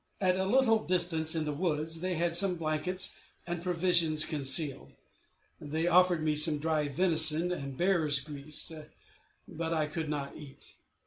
At a little distance in the woods they had some blankets and provisions concealed; they offered me some dry venison and bear's grease, but I could not eat.